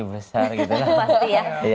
besar gitu pasti ya